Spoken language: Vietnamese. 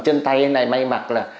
chân tay này may mặc là